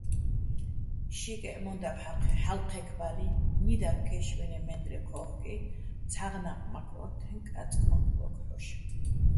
შიკეჸ მო́ნდავ ჰ̦ალო̆ ქჵექბალიჼ, ნიდაგ, ქაშმირეჼ მაჲნდლი ჴო́ხკიჼ, ცჰ̦აღ ნაყმაქ ო́თთეჼ კაწკოჼ ფლო́ქო̆ ჰ̦ოშ.